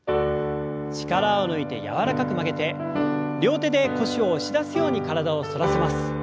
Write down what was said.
力を抜いて柔らかく曲げて両手で腰を押し出すように体を反らせます。